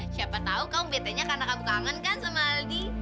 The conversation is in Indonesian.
siapa tau kamu betenya karena kamu kangen kan sama aldi